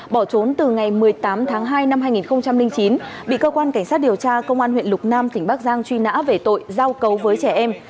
bỏ trốn từ ngày một mươi tám tháng hai năm hai nghìn chín bị cơ quan cảnh sát điều tra công an huyện lục nam tỉnh bắc giang truy nã về tội giao cấu với trẻ em